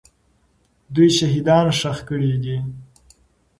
دوی شهیدان ښخ کړي دي.